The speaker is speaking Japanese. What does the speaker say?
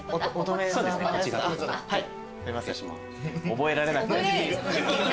覚えられなくて。